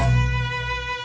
alia gak ada ajak rapat